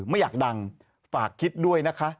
ไม่อยากดังฝากคิดด้วยนะคะ